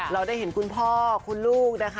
เราได้เห็นคุณพ่อคุณลูกนะคะ